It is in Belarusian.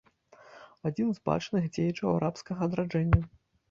Адзін з бачных дзеячаў арабскага адраджэння.